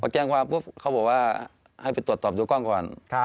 เขาบอกว่าให้ไปตรวจตอบดูกล้องก่อน